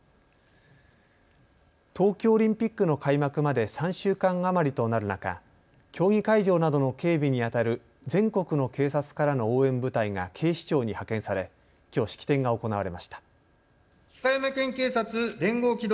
東京オリンピックの開幕まで３週間余りとなる中、競技会場などの警備にあたる全国の警察からの応援部隊が警視庁に派遣され、きょう、式典が行われました。